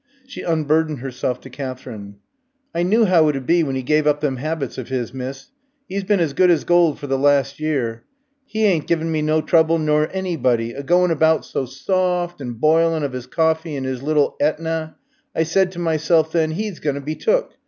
She unburdened herself to Katherine. "I knew 'ow it 'ud be when 'e gave up them 'abits of 'is, miss. 'E's been as good as gold for the last year. 'E 'yn't given me no trouble nor anybody; a goin' about so soft, and bilin' of 'is corffee in 'is little Hetna. I said to myself then, 'e's going to be took.